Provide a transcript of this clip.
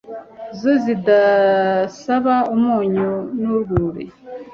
zo zidasaba umunyu n'urwuri